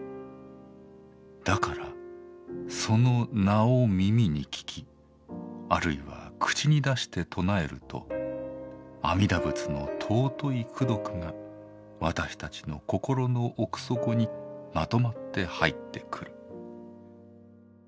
だからその『名』を耳に聞きあるいは口に出して称えると阿弥陀仏の尊い功徳が私たちの心の奥底にまとまって入って来る」。